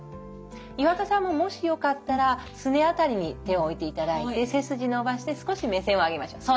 岩田さんももしよかったらすね辺りに手を置いていただいて背筋伸ばして少し目線を上げましょう。